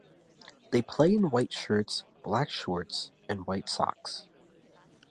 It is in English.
They play in white shirts, black shorts and white socks.